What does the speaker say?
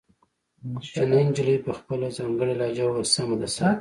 کوچنۍ نجلۍ په خپله ځانګړې لهجه وويل سمه ده صيب.